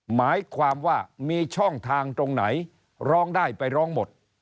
หมายความว่ามีช่องทางตรงไหนร้องได้ไปร้องหมด